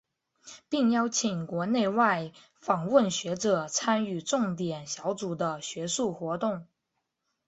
并邀请国内外访问学者参与重点小组的学术活动。